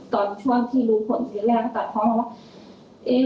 ตอนช่วงที่รู้ผลนิดแรกก็ตัดพอมาว่า